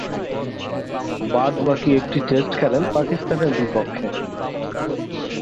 বাদ-বাকী একটি টেস্ট খেলেন পাকিস্তানের বিপক্ষে।